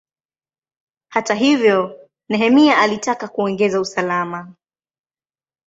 Hata hivyo, Nehemia alitaka kuongeza usalama.